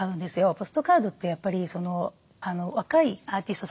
ポストカードってやっぱり若いアーティストさん